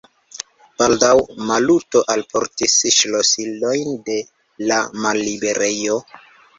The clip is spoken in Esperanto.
Baldaŭ Maluto alportis ŝlosilojn de la malliberejo.